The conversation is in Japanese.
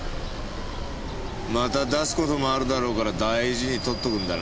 また出す事もあるだろうから大事にとっとくんだな。